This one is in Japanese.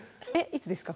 いつですか？